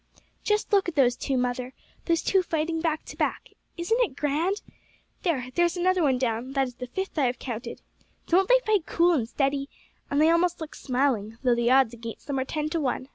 "Just look at those two, mother those two fighting back to back. Isn't it grand! There! there is another one down; that is the fifth I have counted. Don't they fight cool and steady? and they almost look smiling, though the odds against them are ten to one.